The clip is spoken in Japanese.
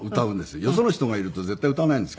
よその人がいると絶対歌わないんですけども。